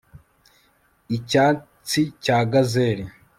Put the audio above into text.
Icyatsi cya gazel